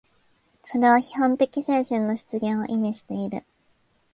それは批判的精神の出現を意味している。